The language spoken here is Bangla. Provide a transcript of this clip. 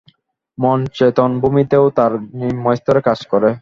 মন চেতন-ভূমিতে ও তার নিম্নস্তরে কাজ করে।